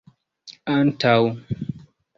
antaŭ